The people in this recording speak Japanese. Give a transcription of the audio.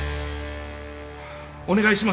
お願いします。